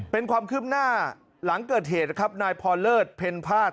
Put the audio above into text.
เป็นความคืบหน้าหลังเกิดเหตุนะครับนายพรเลิศเพ็ญภาษ